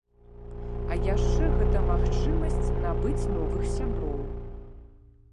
А яшчэ гэта магчымасць набыць новых сяброў!